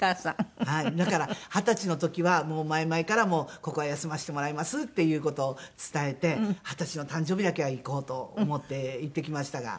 だから二十歳の時は前々からもうここは休ませてもらいますっていう事を伝えて二十歳の誕生日だけは行こうと思って行ってきましたが。